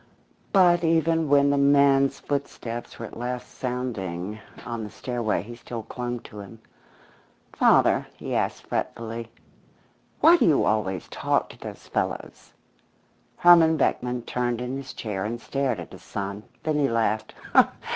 But even when the man's footsteps were at last sounding on the stairway, he still clung to him. "Father," he asked, fretfully, "why do you always talk to those fellows?" Herman Beckman turned in his chair and stared at his son. Then he laughed.